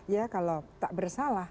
ya kalau tak bersalah